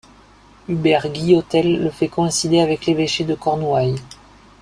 Hubert Guillotel le fait coïncider avec l'évêché de Cornouaille.